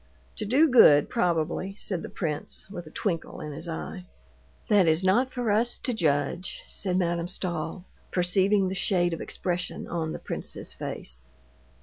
"To do good, probably," said the prince with a twinkle in his eye. "That is not for us to judge," said Madame Stahl, perceiving the shade of expression on the prince's face.